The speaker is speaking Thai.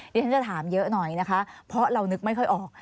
เดี๋ยวฉันจะถามเยอะหน่อยนะคะเพราะเรานึกไม่ค่อยออก